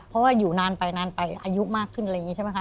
เพราะว่าอยู่นานไปนานไปอายุมากขึ้นอะไรอย่างนี้ใช่ไหมคะ